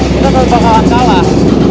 kita selalu bakalan kalah